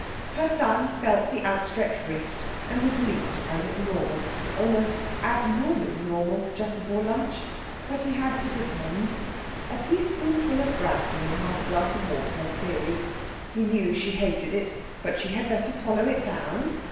Her son felt the outstretched wrist, and was relieved to find it normal almost abnormally normal, just before lunch! But he had to pretend. A teaspoonful of brandy in half a glass of water, clearly! He knew she hated it, but she had better swallow it down.